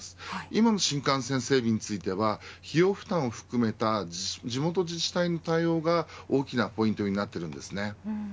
今の新幹線整備については費用負担を含めた地元自治体の対応が大きなポイントになっています。